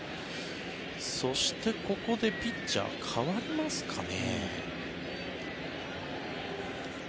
そして、ここでピッチャー代わりますかね。